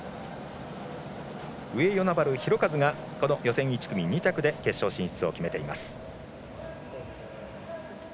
上与那原寛和が予選１組２着で決勝進出を決めています。